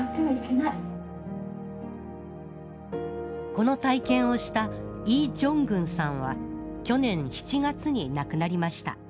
この体験をしたイ・ジョングンさんは去年７月に亡くなりました。